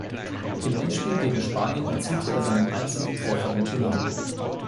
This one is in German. Im Endspiel gegen Spanien erzielte er seinen einzigen Treffer im Turnier.